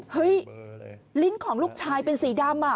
เฮ้ยลิ้นของลูกชายเป็นสีดำ